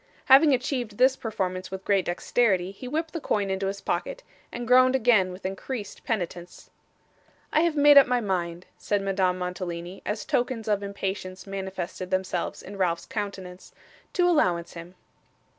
Having achieved this performance with great dexterity, he whipped the coin into his pocket, and groaned again with increased penitence. 'I have made up my mind,' said Madame Mantalini, as tokens of impatience manifested themselves in Ralph's countenance, 'to allowance him.